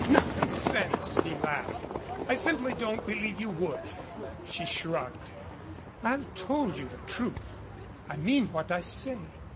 "Nonsense," he laughed. "I simply don't believe you would." She shrugged. "I have told you the truth. I mean what I say.